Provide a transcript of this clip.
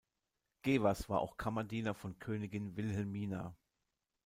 Gevers war auch Kammerdiener von Königin Wilhelmina.